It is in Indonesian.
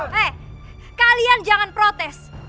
hei kalian jangan protes